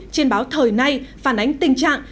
trên báo thời nay phản ánh tình trạng